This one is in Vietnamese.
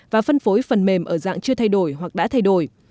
và phân phối phần mềm ở dạng chưa thay đổi hoặc đã thay đổi